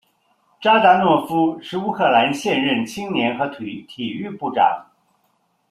扎达诺夫是乌克兰现任青年和体育部长。